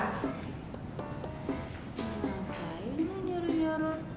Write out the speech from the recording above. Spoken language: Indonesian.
ngapain lu nyuruh nyuruh